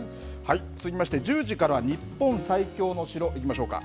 続きまして１０時からは、日本最強の城いきましょうか。